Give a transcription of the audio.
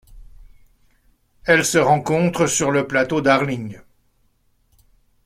Elle se rencontre sur le plateau Darling.